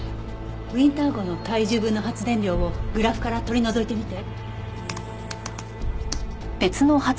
ウィンター号の体重分の発電量をグラフから取り除いてみて。